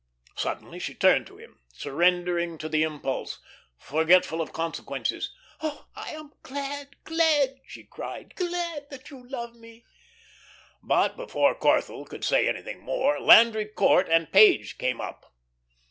Suddenly she turned to him, surrendering to the impulse, forgetful of consequences. "Oh, I am glad, glad," she cried, "glad that you love me!" But before Corthell could say anything more Landry Court and Page came up.